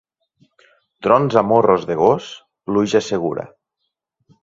Trons a Morros de gos, pluja segura.